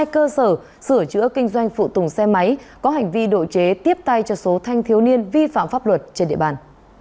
hai cơ sở sửa chữa kinh doanh phụ tùng xe máy có hành vi độ chế tiếp tay cho số thanh thiếu niên vi phạm pháp luật trên địa bàn